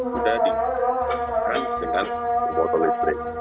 sudah dihapuskan dengan bermotor listrik